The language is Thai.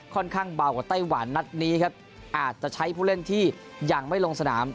เบากว่าไต้หวันนัดนี้ครับอาจจะใช้ผู้เล่นที่ยังไม่ลงสนาม